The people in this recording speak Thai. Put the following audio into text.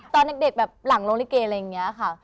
ตอนเด็กแบบหลังโรงลิเกอะไรอย่างนี้ค่ะ